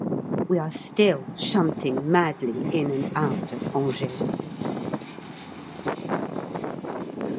(We are still shunting madly in and out of Angers.)